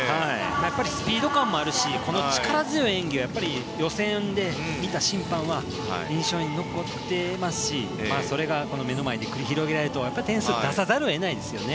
スピード感もあるしこの力強い演技を予選で見た審判は印象に残っていますしそれが目の前で繰り広げられると点数を出さざるを得ないんですよね。